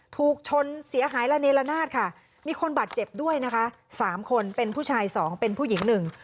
ถูกชนเสียหายระเนละนาดค่ะมีคนบาดเจ็บด้วยนะคะสามคนเป็นผู้ชายสองเป็นผู้หญิงหนึ่ง